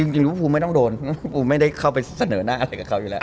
จริงผมไม่ได้เข้าไปเสนอหน้าอะไรกับเขาอยู่แล้ว